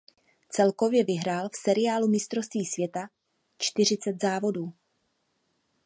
Celkově vyhrál v seriálu mistrovství světa čtyřicet závodů.